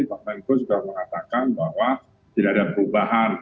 pak menko juga mengatakan bahwa tidak ada perubahan